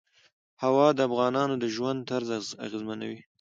هوا د افغانانو د ژوند طرز اغېزمنوي.